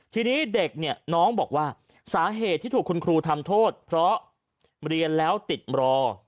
ที่นี้น้องบอกว่าสาเหตุที่ถูกทำโทษคุณครูแล้วติดรอ